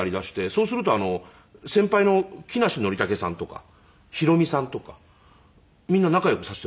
そうすると先輩の木梨憲武さんとかヒロミさんとかみんな仲良くさせてもらって。